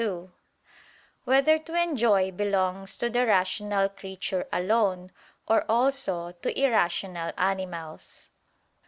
2] Whether to Enjoy Belongs to the Rational Creature Alone, or Also to Irrational Animals?